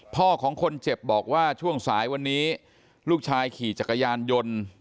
ของคนเจ็บบอกว่าช่วงสายวันนี้ลูกชายขี่จักรยานยนต์